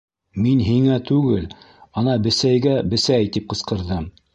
- Мин һиңә түгел, ана бесәйгә «бесәй!» тип ҡысҡырҙым.